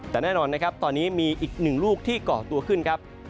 แต่แน่นอนนะครับตอนนี้มีอีกหนึ่งลูกที่เกาะตัวขึ้นครับ